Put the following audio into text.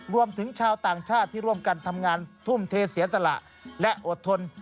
รวมถึงชาวต่างชาติที่ร่วมกันทำงานทุ่มเทเสียสละและอดทน